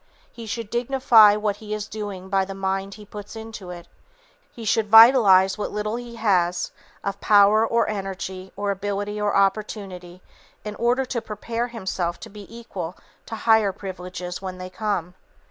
He should dignify what he is doing by the mind he puts into it, he should vitalize what little he has of power or energy or ability or opportunity, in order to prepare himself to be equal to higher privileges when they come.